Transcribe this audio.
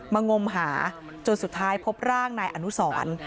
งมหาจนสุดท้ายพบร่างนายอนุสร